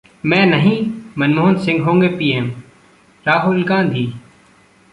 मैं नहीं, मनमोहन सिंह होंगे पीएम: राहुल गांधी